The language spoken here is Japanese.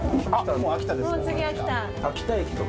もう秋田ですか。